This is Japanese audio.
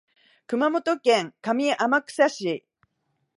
熊本県上天草市